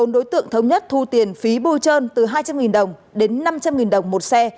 một mươi bốn đối tượng thống nhất thu tiền phí bùi trơn từ hai trăm linh đồng đến năm trăm linh đồng một xe